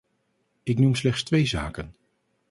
Ik noem slechts twee zaken.